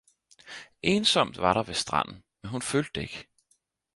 Ensomt var der ved stranden, men hun følte det ikke